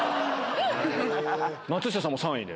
松下さんも３位で。